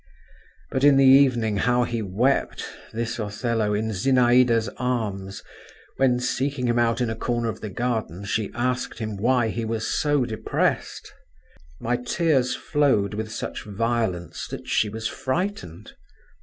But in the evening how he wept, this Othello, in Zinaïda's arms, when, seeking him out in a corner of the garden, she asked him why he was so depressed. My tears flowed with such violence that she was frightened.